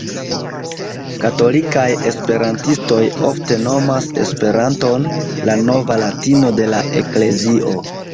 Katolikaj esperantistoj ofte nomas Esperanton "la nova latino de la Eklezio".